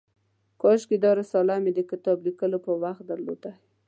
کاشکي دا رساله مې د کتاب لیکلو پر وخت درلودای.